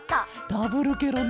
ダブルケロね！